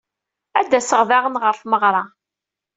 Ad d-aseɣ daɣen ɣer tmeɣra.